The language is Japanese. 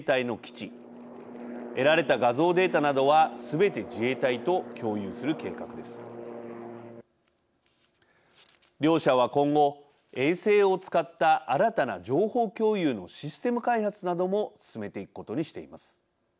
得られた画像データなどはすべて自衛隊と共有する計画です。両者は今後衛星を使った新たな情報共有のシステム開発なども進めていくことにしています。